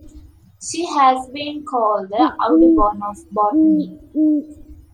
She has been called the Audubon of Botany.